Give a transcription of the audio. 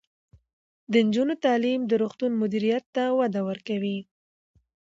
د نجونو تعلیم د روغتون مدیریت ته وده ورکوي.